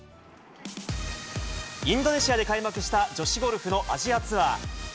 インドネシアで開幕した女子ゴルフのアジアツアー。